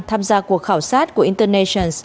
tham gia cuộc khảo sát của international